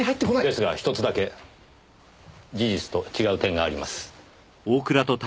ですがひとつだけ事実と違う点があります。